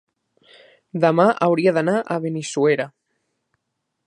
Demà hauria d'anar a Benissuera.